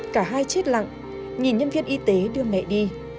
cả hai chết lặng nhìn nhân viên y tế đưa mẹ đi